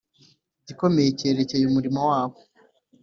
igikomeye cyerekeye umurimo wabo